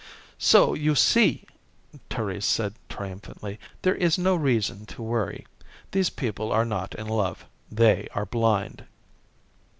"So you see," Thérèse said triumphantly, "there is no reason to worry. These people are not in love. They are blind."